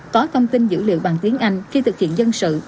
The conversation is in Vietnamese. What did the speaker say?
có thông tin dữ liệu bằng tiếng anh khi thực hiện dân sự